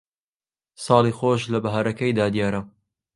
ساڵی خۆش لە بەھارەکەیدا دیارە